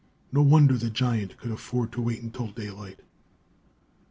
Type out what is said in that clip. No wonder the giant could afford to wait until daylight.